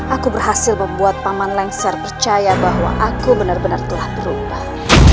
aku berhasil membuat paman lengser percaya bahwa aku benar benar telah berubah